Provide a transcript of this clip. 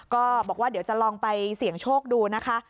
ก็บอกว่าเดี๋ยวจะลองไปเสี่ยงโชคดูนะคะ